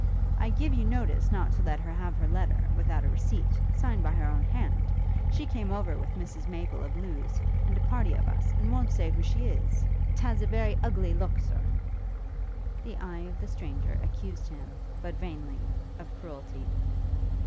'I give you notice not to let her have her letter, without a receipt, signed by her own hand. She came over with Mrs Maple of Lewes, and a party of us, and won't say who she is. 'T has a very ugly look, Sir!' The eye of the stranger accused him, but vainly, of cruelty.